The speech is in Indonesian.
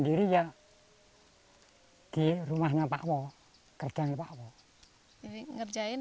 jika tidak petani terpaksa diberi kekuatan